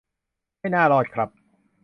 ไม่น่ารอดครับ